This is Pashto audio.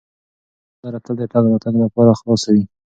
دا لاره تل د تګ راتګ لپاره خلاصه وي.